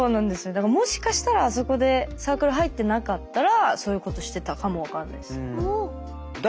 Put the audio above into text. だからもしかしたらあそこでサークル入ってなかったらそういうことしてたかも分かんないです。